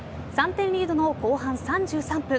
３点リードの後半３３分。